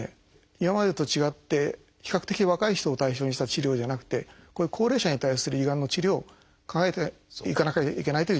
今までと違って比較的若い人を対象にした治療じゃなくてこういう高齢者に対する胃がんの治療を考えていかなきゃいけないという。